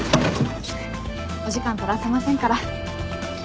お時間取らせませんから。